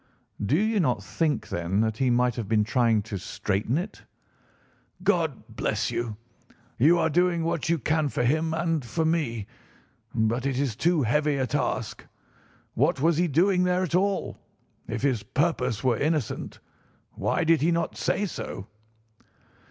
"Do you not think, then, that he might have been trying to straighten it?" "God bless you! You are doing what you can for him and for me. But it is too heavy a task. What was he doing there at all? If his purpose were innocent, why did he not say so?"